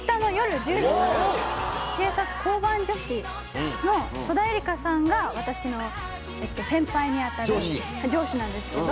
警察交番女子の戸田恵梨香さんが私の先輩に当たる上司なんですけど。